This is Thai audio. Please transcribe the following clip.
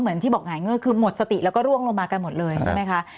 ที่บอกหงายเงือกคือหมดสติแล้วก็ร่วงลงมากันหมดเลยใช่ไหมคะ